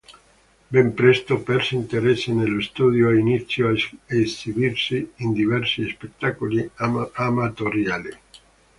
Ben presto perse interesse nello studio e iniziò a esibirsi in diversi spettacoli amatoriali.